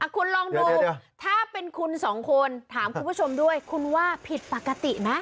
คุณลองดูถ้าเป็นคุณสองคนถามคุณผู้ชมด้วยคุณว่าผิดปกติไหม